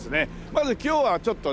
まず今日はちょっとね